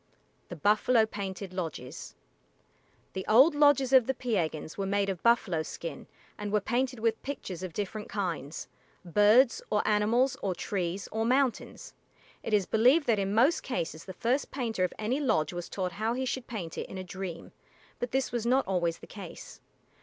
THE BUFFALO PAINTED LODGES The old lodges of the Piegans were made of buffalo skin and were painted with pictures of different kinds birds, or animals, or trees, or mountains. It is believed that in most cases the first painter of any lodge was taught how he should paint it in a dream, but this was not always the case.